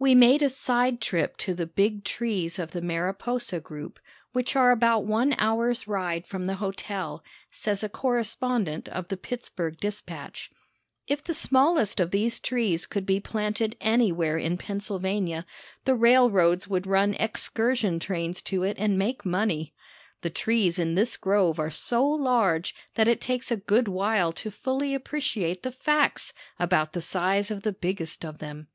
We made a side trip to the big trees of the Mariposa group, which are about one hour's ride from the hotel, says a correspondent of the Pittsburg Dispatch. If the smallest of these trees could be planted anywhere in Pennsylvania the railroads would run excursion trains to it and make money. The trees in this grove are so large that it takes a good while to fully appreciate the facts about the size of the biggest of them.